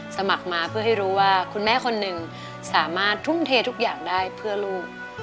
สมัครมาเพื่อให้รู้ว่าคุณแม่คนหนึ่งสามารถทุ่มเททุกอย่างได้เพื่อลูก